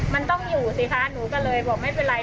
มันต้องอยู่สิคะหนูก็เลยบอกไม่เป็นไร